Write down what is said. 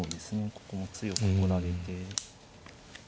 ここも強く来られて。